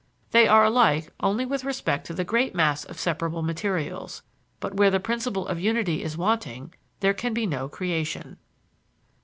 They are alike only with respect to the great mass of separable materials, but where the principle of unity is wanting there can be no creation.